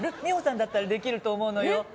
美穂さんだったらできると思うのよ。